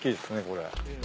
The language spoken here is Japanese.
これ。